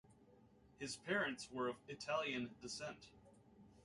His parents were of Italian descent.